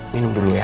minum dulu ya